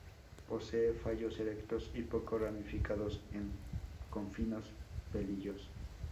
Posee tallos erectos y poco ramificados con finos pelillos.